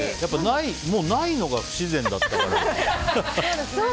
ないのが不自然だったから。